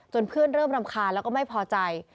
เพื่อนเริ่มรำคาญแล้วก็ไม่พอใจ